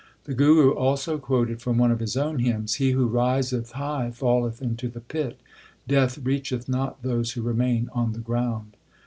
l The Guru also quoted from one of his own hymns : He who riseth high falleth into the pit Death reacheth not those who remain on the ground.